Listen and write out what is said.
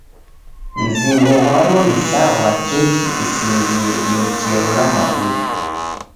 Mzingo ghwaro ni sa ghwa keki isingie iochero na mavuda.